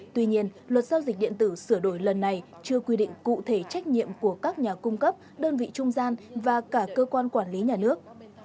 tuy nhiên luật giao dịch điện tử sửa đổi lần này chưa quy định cụ thể trách nhiệm của các nhà cung cấp đơn vị trung gian và cả cơ quan quản lý nhà nước